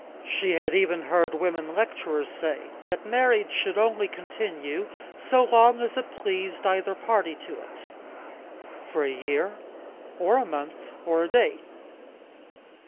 She had even heard women lecturers say, that marriage should only continue so long as it pleased either party to it for a year, or a month, or a day.